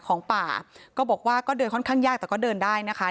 ของป่าก็บอกว่าก็เดินค่อนข้างยากแต่ก็เดินได้นะคะ